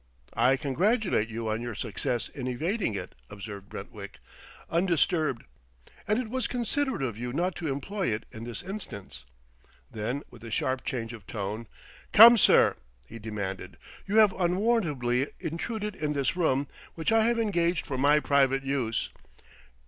"I congratulate you on your success in evading it," observed Brentwick, undisturbed. "And it was considerate of you not to employ it in this instance." Then, with a sharp change of tone, "Come, sir!" he demanded. "You have unwarrantably intruded in this room, which I have engaged for my private use.